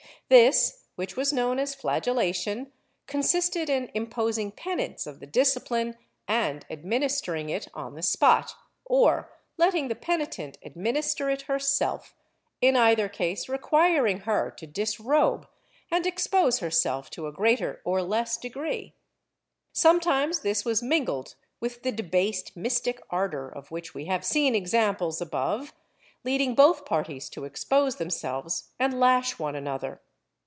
This, which was known as flagellation, consisted in imposing penance of the discipline and administering it on the spot, or letting the penitent administer it herself, in either case requiring her to dis robe and expose herself to a greater or less degree. Sometimes this was mingled with the debased mystic ardor, of which we have seen examples above, leading both parties to expose themselves and lash one another.